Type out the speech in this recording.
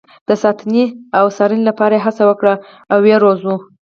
د ساتنې او څارنې لپاره یې هڅه وکړو او ویې روزو.